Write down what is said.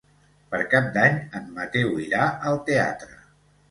Per Cap d'Any en Mateu irà al teatre.